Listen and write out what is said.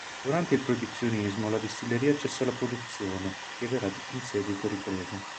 Durante il Proibizionismo la distilleria cessò la produzione, che verrà in sèguito ripresa.